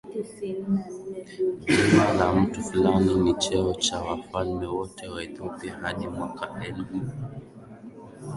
jina la mtu fulani ni cheo cha wafalme wote wa Ethiopia hadi mwaka elgu